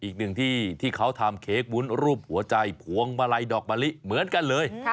อีกหนึ่งที่ที่เขาทำเค้กวุ้นรูปหัวใจพวงมาลัยดอกมะลิเหมือนกันเลย